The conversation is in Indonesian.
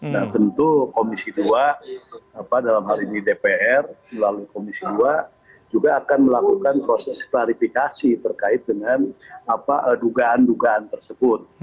nah tentu komisi dua dalam hal ini dpr melalui komisi dua juga akan melakukan proses klarifikasi terkait dengan dugaan dugaan tersebut